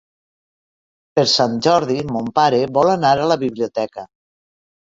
Per Sant Jordi mon pare vol anar a la biblioteca.